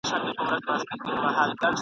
پرې مي ږده طبیبه ما اجل په خوب لیدلی دی !.